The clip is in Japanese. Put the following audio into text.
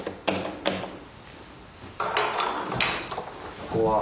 ここは？